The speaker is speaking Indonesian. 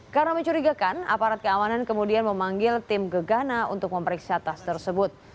karena mencurigakan aparat keamanan kemudian memanggil tim gegana untuk memperiksa tas tersebut